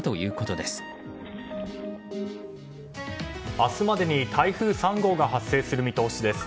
明日までに台風３号が発生する見通しです。